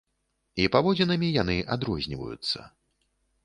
І паводзінамі яны адрозніваюцца.